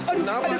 aduh ada celanaku